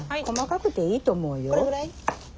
細かくていいと思うよ。